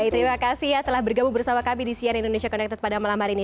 terima kasih ya telah bergabung bersama kami di cnn indonesia connected pada malam hari ini